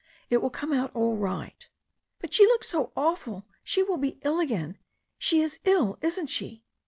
It will come out all right." "But she looked so awful. She will be ill again — she is iU, isn't she?"